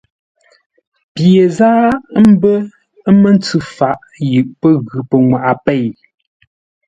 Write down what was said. Pye záa ə̀ mbə́ məndməntsʉ faʼ yʉʼ pə́ ghʉ́ pənŋwaʼa pêi.